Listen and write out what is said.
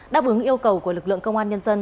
đáp ứng yêu cầu của lực lượng công an nhân dân